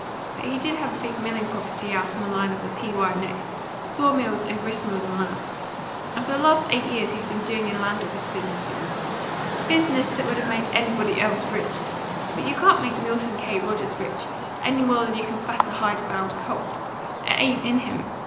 But he did have a big milling property out on the line of the P. Y. & X., saw mills and grist mills and lands, and for the last eight years he's been doing a land office business with 'em business that would have made anybody else rich. But you can't make Milton K. Rogers rich, any more than you can fat a hide bound colt. It ain't in him.